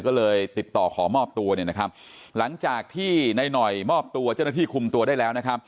ก็เลยติดต่อขอมอบตัวหลังจากที่นายหน่อยมอบตัวเจ้าหน้าที่คุมตัวได้แล้ว